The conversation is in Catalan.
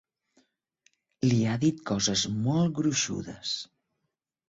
Li ha dit coses molt gruixudes.